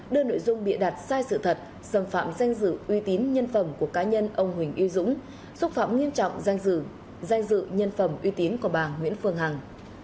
đưa nội dung bịa đặt sai sự thật xâm phạm danh dự uy tín nhân phẩm của cá nhân ông huỳnh uy dũng xúc phạm nghiêm trọng danh dự danh dự nhân phẩm uy tín của bà nguyễn phương hằng